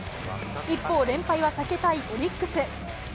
一方、連敗は避けたいオリックス。